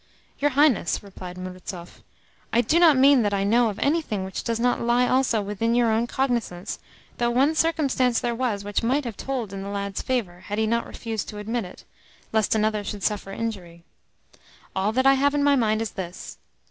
"Your Highness," replied Murazov, "I do not mean that I know of anything which does not lie also within your own cognisance, though one circumstance there was which might have told in the lad's favour had he not refused to admit it, lest another should suffer injury. All that I have in my mind is this.